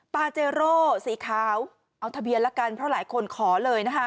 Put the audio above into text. ปาเจโร่สีขาวเอาทะเบียนละกันเพราะหลายคนขอเลยนะคะ